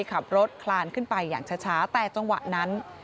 ขับรถคลานขึ้นไปอย่างช้าแต่จังหวะนั้น